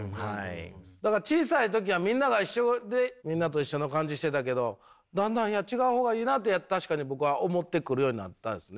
だから小さい時はみんなが一緒でみんなと一緒の感じしてたけどだんだんいや違う方がいいなって確かに僕は思ってくるようになったですね。